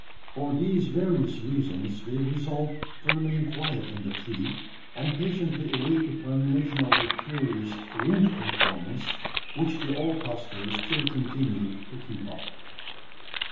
For these various reasons they resolved to remain quiet in the tree, and patiently await the termination of that curious "ring performance," which the old tusker still continued to keep up.